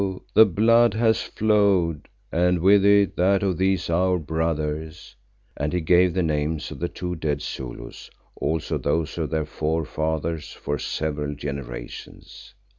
the blood has flowed, and with it that of these our brothers," and he gave the names of the two dead Zulus, also those of their forefathers for several generations.